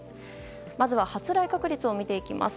まずは発雷確率を見ていきます。